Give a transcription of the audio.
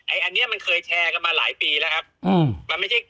ไอ้อันเนี้ยมันเคยแชร์กันมาหลายปีแล้วครับอืมมันไม่ใช่